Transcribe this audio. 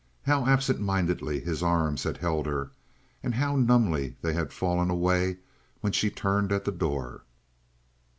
How absent mindedly his arms had held her, and how numbly they had fallen away when she turned at the door.